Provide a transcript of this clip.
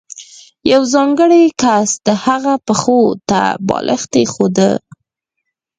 یو ځانګړی کس د هغه پښو ته بالښت ایښوده.